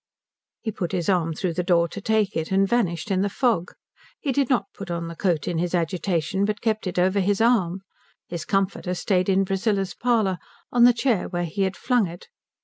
He put his arm through the door to take it, and vanished in the fog. He did not put on the coat in his agitation, but kept it over his arm. His comforter stayed in Priscilla's parlour, on the chair where he had flung it.